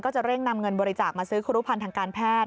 จะเร่งนำเงินบริจาคมาซื้อครูพันธ์ทางการแพทย์